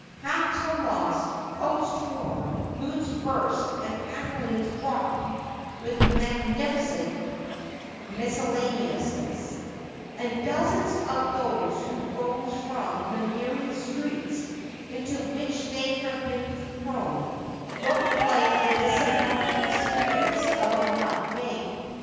Hats were lost, coats torn, boots burst and pantaloons dropped with magnificent miscellaneousness, and dozens of those who rose from the miry streets into which they had been thrown, looked like the disembodied spirits of a mud bank.